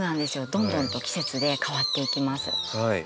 どんどんと季節で変わっていきます。